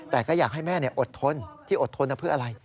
แต่ก็อยากให้แม่อดทนที่อดทนเพื่ออะไร